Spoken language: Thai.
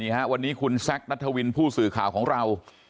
นี่ครับวันนี้คุณแซะกณฑวีนผู้สื่อข้าวของเรา